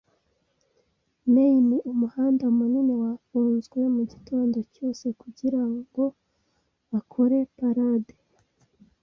[Main] Umuhanda munini wafunzwe mugitondo cyose kugirango bakore parade.